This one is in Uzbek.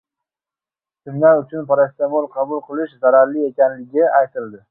Kimlar uchun parasetamol qabul qilish zararli ekanligi aytildi